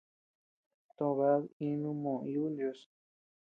To bed inuu moo ibu ndios.